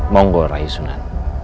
monggo rai sunan